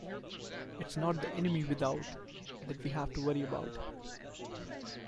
It is not the enemy without that we have to worry about.